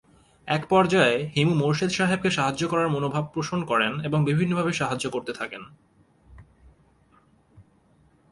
এক পর্যায়ে হিমু মোরশেদ সাহেবকে সাহায্যে করার মনোভাব পোষণ করেন এবং বিভিন্নভাবে সাহায্য করতে থাকেন।